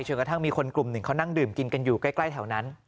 กระทั่งมีคนกลุ่มหนึ่งเขานั่งดื่มกินกันอยู่ใกล้แถวนั้น